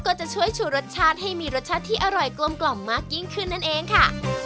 ก็จะช่วยชูรสชาติให้มีรสชาติที่อร่อยกลมกล่อมมากยิ่งขึ้นนั่นเองค่ะ